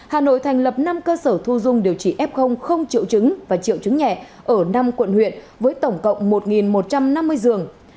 hà nội thành lập năm cơ sở thu dung điều trị f không triệu chứng và triệu chứng nhẹ ở năm quận huyện với tổng cộng một một trăm năm mươi giường